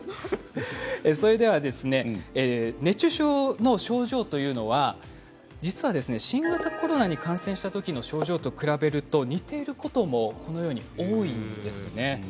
それでは熱中症の症状というのは実は新型コロナに感染したときの症状と比べると似ていることも多いんですね。